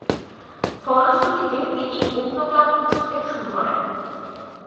ফলশ্রুতিতে তিনি অন্য ক্লাব খুঁজতে শুরু করেন।